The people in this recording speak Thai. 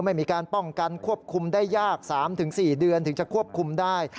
ไม่มีการป้องกันควบคุมได้ยาก๓๔เดือนถึงจะควบคุมได้